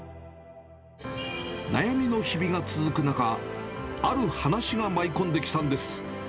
悩みの日々が続く中、ある話が舞い込んできたんです。